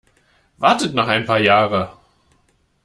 Wartet noch ein paar Jahre!